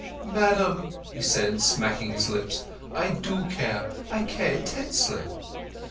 "Madam," he said, smacking his lips, "I do care. I care intensely.